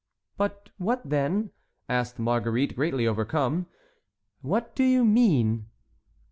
"But what, then," asked Marguerite, greatly overcome, "what do you mean?"